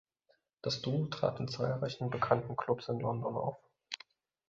Das Duo trat in zahlreichen bekannten Clubs in London auf.